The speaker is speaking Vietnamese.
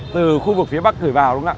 từ khu vực phía bắc gửi vào